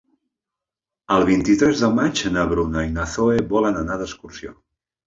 El vint-i-tres de maig na Bruna i na Zoè volen anar d'excursió.